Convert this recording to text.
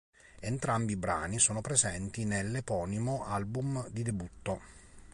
Entrambi i brani sono presenti nell'eponimo album di debutto.